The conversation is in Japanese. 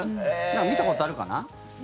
見たことあるかな？